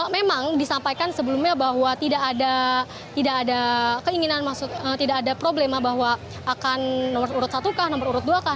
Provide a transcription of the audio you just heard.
memang disampaikan sebelumnya bahwa tidak ada keinginan tidak ada problema bahwa akan nomor urut satu kah nomor urut dua kah